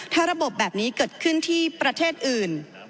ถ้าระบบแบบนี้เกิดขึ้นที่ประเทศอื่น